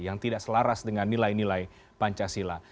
yang tidak selaras dengan nilai nilai pancasila